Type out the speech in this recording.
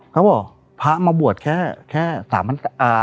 เขาบอกพระมาบวชแค่๓วัน